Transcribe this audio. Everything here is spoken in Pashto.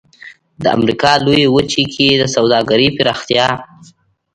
د امریکا لویې وچې کې د سوداګرۍ پراختیا.